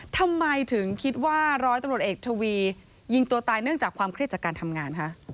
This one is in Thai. ทำไมถึงคิดว่าร้อยตำรวจเอกทวียิงตัวตายเนื่องจากความเครียดจากการทำงานคะ